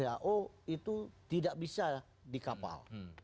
who itu tidak bisa di kapal